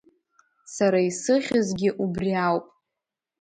Сара исыхьызгьы убри ауп…